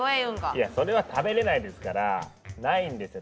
いやそれは食べれないですからないんですよ